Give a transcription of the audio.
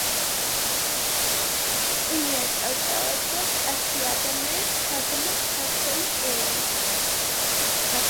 პირველ მაკედონურ ომს ბალკანეთის ნახევარკუნძულზე მნიშვნელოვანი ტერიტორიული ცვლილებები არ მოჰყოლია.